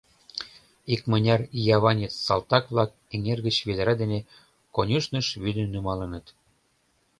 Икмыняр яванец салтак-влак эҥер гыч ведра дене конюшньыш вӱдым нумалыныт.